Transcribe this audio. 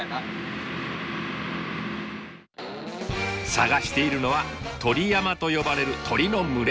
探しているのは鳥山と呼ばれる鳥の群れ。